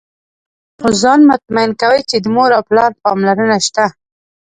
خو ځان مطمئن کوي چې د مور او پلار پاملرنه شته.